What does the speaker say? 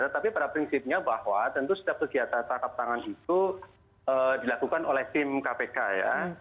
tetapi pada prinsipnya bahwa tentu setiap kegiatan tangkap tangan itu dilakukan oleh tim kpk ya